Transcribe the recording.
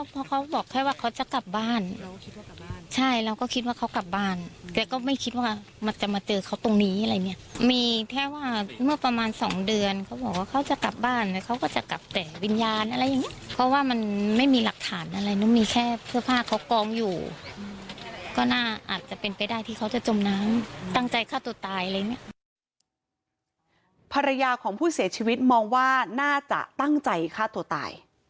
ภรรยาของผู้เสียชีวิตมองว่าน่าจะตั้งใจฆ่าตัวตาย